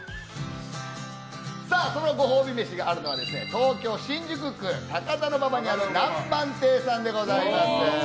そのご褒美飯があるのは東京・新宿区高田馬場にある南ばん亭さんでございます。